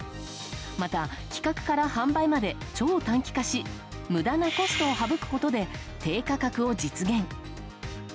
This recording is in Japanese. また、企画から販売まで超短期化し無駄なコストを省くことで低価格を実現。